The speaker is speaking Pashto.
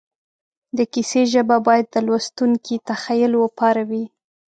د کیسې ژبه باید د لوستونکي تخیل وپاروي